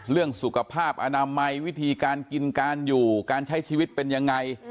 เรื่องสุขภาพอนามัยวิธีการกินการอยู่การใช้ชีวิตเป็นยังไง